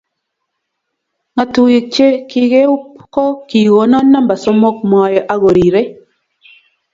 ngatuyik che kikieub ko kikonon namba somok mwoe ako rirei